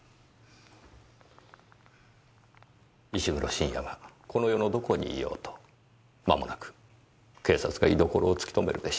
石黒信也がこの世のどこにいようとまもなく警察が居所を突き止めるでしょう。